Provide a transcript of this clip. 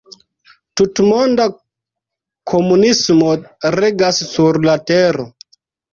Tutmonda komunismo regas sur la Tero.